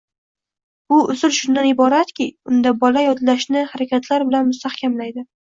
Bu usul shundan iboratki, unda bola yodlashni harakatlar bilan mustahkamlaydi.